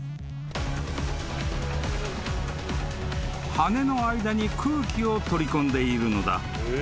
［羽の間に空気を取り込んでいるのだ］